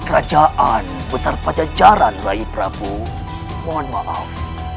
kerajaan besar pajajaran bayi prabu mohon maaf